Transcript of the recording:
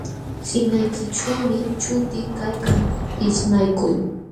Sinqaykićhuumi chuti kaykan ishnakuy